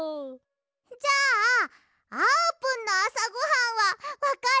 じゃああーぷんのあさごはんはわかる？